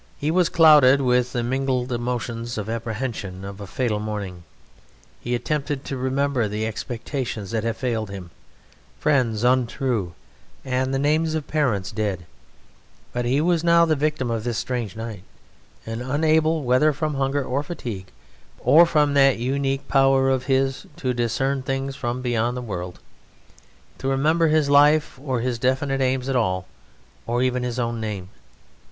He was clouded with the mingled emotions of apprehension and of fatal mourning; he attempted to remember the expectations that had failed him, friends untrue, and the names of parents dead; but he was now the victim of this strange night and unable (whether from hunger or fatigue, or from that unique power of his to discern things beyond the world) to remember his life or his definite aims at all, or even his own name.